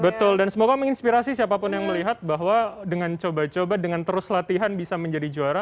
betul dan semoga menginspirasi siapapun yang melihat bahwa dengan coba coba dengan terus latihan bisa menjadi juara